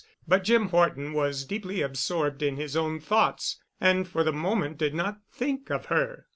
But Jim Horton was deeply absorbed in his own thoughts and for the moment did not think of her.